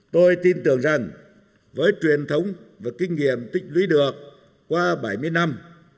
tôi tin tưởng rằng với truyền thống và kinh nghiệm tích lũy được qua bảy mươi năm